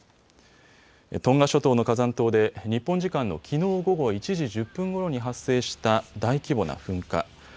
トンガ諸島の火山島で日本時間のきのう午後１時１０分ごろに発生した大規模な噴火。